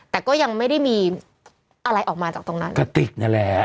แต่ก็ยังไม่ได้มีอะไรออกมาจากตรงนั้นกระติกนั่นแหละ